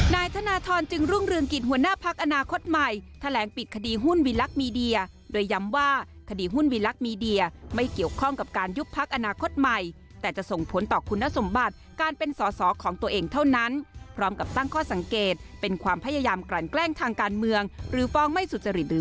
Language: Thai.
นายธนทรจึงรุ่งเรืองกิจหัวหน้าพักอนาคตใหม่แถลงปิดคดีหุ้นวิลักษณ์มีเดียโดยย้ำว่าคดีหุ้นวิลักษณ์มีเดียไม่เกี่ยวข้องกับการยุบพักอนาคตใหม่แต่จะส่งผลต่อคุณสมบัติการเป็นสอสอของตัวเองเท่านั้นพร้อมกับตั้งข้อสังเกตเป็นความพยายามกลั่นแกล้งทางการเมืองหรือฟ้องไม่สุจริตหรือ